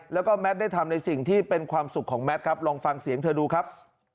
แล้วก็แมทได้ทำในสิ่งที่เป็นความสุขของแมทครับลองฟังเสียงเธอดูครับ